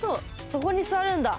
そこに座るんだ。